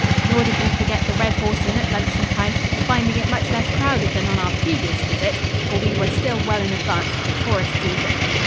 Nor did we forget the Red Horse Inn at luncheon time, finding it much less crowded than on our previous visit, for we were still well in advance of the tourist season.